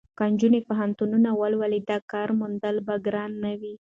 که نجونې پوهنتون ولولي نو د کار موندل به ګران نه وي.